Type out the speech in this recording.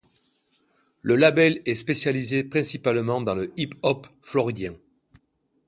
Le label est spécialisé principalement dans le Hip-Hop floridien.